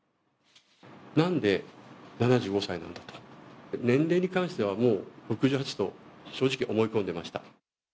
なんで７５歳なんだと、年齢に関しては、もう６８と、正直思い込んでいました。